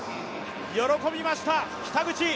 喜びました、北口。